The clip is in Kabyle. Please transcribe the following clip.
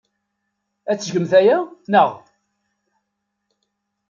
Ad tgemt aya, naɣ?